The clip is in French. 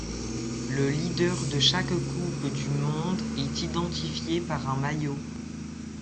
Le leader de chaque coupe du monde est identifié par un maillot.